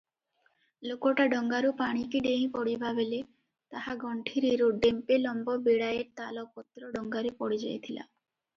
ଲୋକଟା ଡଙ୍ଗାରୁ ପାଣିକି ଡେଇଁ ପଡ଼ିବାବେଳେ ତାହା ଗଣ୍ଠିରିରୁ ଡେମ୍ପେ ଲମ୍ବ ବିଡ଼ାଏ ତାଳପତ୍ର ଡଙ୍ଗାରେ ପଡ଼ିଯାଇଥିଲା ।